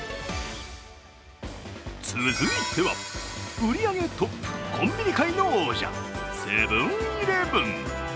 続いては、売り上げトップ、コンビニ界の王者、セブン−イレブン。